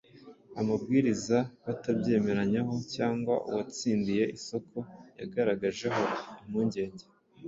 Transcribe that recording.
amabwiriza batabyemeranyaho cyangwa uwatsindiye isoko yagaragajeho impungenge;